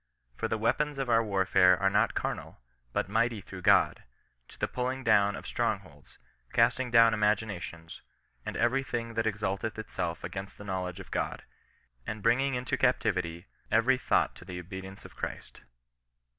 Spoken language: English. For the weapons of our warfare are not carnal, but mighty through God, \Ai \5sife pulling down of strong holds •, castiivg &\ni Ycca.^\i3b« 40 CIIEISTIAN NOX EESISTiNOB. tions, and every high thing that exalteth itself against the knowledge of God, and bringing into captivity every thought to the obedience of Christ."